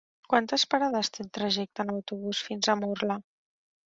Quantes parades té el trajecte en autobús fins a Murla?